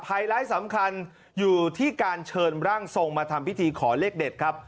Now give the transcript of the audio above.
ไลท์สำคัญอยู่ที่การเชิญร่างทรงมาทำพิธีขอเลขเด็ดครับ